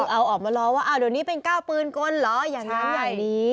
เอาออกมารอว่าเดี๋ยวนี้เป็นก้าวปืนกลเหรออย่างนั้นอย่างนี้